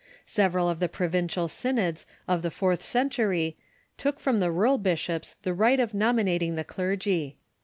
Several of the provincial synods of the fourth cen tury took from the rural bishops the right of nominating the clergy.